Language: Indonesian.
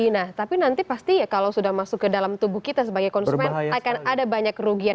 nah tapi nanti pasti ya kalau sudah masuk ke dalam tubuh kita sebagai konsumen akan ada banyak kerugian